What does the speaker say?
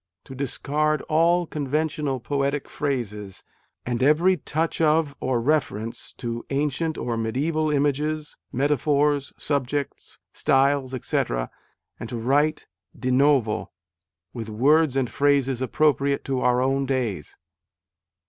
to discard all conven tional poetic phrases, and every touch of or reference to ancient or mediaeval images, metaphors, subjects, styles, etc., and to write de novo with words and phrases appropriate to our own days."